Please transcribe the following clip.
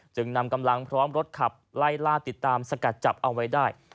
จึงนำกำลังพร้อมรถขับไล่ล่าติดตามสกัดจับเอาไว้ได้